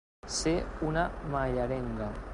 Ser una mallerenga.